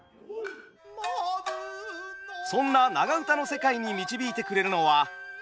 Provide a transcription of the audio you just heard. そんな長唄の世界に導いてくれるのは東音味見純さん。